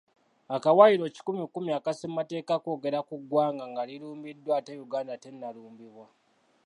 Akawaayiro kikumi kumi aka ssemateeka kwogera ku ggwanga nga lirumbiddwa ate Uganda tennalumbibwa.